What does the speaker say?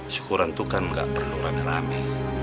syukuran itu kan gak perlu ramai